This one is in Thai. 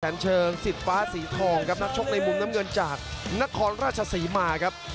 ัญเชิงสิทธิ์ฟ้าสีทองครับนักชกในมุมน้ำเงินจากนครราชศรีมาครับ